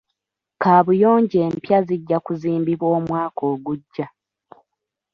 Kaabuyonjo empya zijja kuzimbibwa omwaka ogujja.